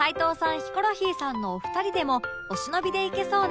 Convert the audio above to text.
ヒコロヒーさんのお二人でもお忍びで行けそうな